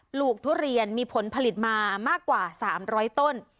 ลูกทุเรียนมีผลผลิตมามากกว่า๓๐๐ต้น